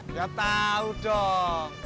gak tau dong